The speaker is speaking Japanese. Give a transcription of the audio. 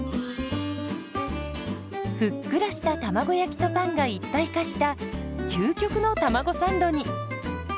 ふっくらした卵焼きとパンが一体化した究極のたまごサンドに。